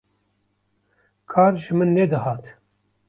kar ji min nedihat